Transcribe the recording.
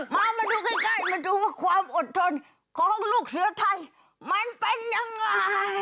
มาดูใกล้มาดูว่าความอดทนของลูกเสือไทยมันเป็นยังไง